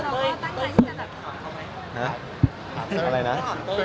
อ้าหาแรงอะไรมา